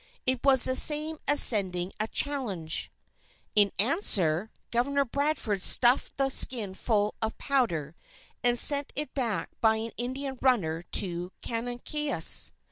It was the same as sending a challenge. In answer, Governor Bradford stuffed the skin full of powder, and sent it back by an Indian runner to Canonicus.